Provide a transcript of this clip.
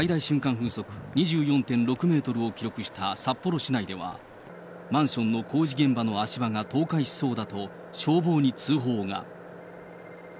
風速２４．６メートルを記録した札幌市内では、マンションの工事現場の足場が倒壊しそうだと、消防に通報が。